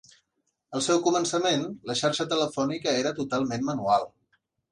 Al seu començament, la xarxa telefònica era totalment manual.